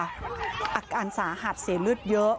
อาการสาหัสเสียเลือดเยอะ